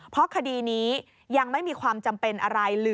เพราะคดีนี้ยังไม่มีความจำเป็นอะไร